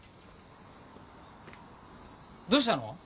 どしたの？